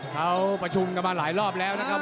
เขาประชุมกันมาหลายรอบแล้วนะครับ